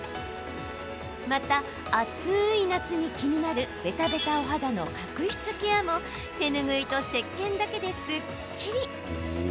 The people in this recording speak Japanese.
また、暑い夏に気になるべたべたお肌の角質ケアも手ぬぐいとせっけんだけですっきり。